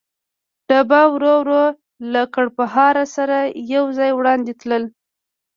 ډبه ورو ورو له کړپهار سره یو ځای وړاندې تلل.